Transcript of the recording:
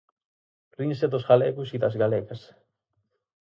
Rinse dos galegos e das galegas.